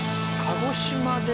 鹿児島で。